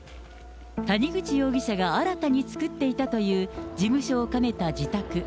谷口容疑者が新たに作っていたという事務所を兼ねた自宅。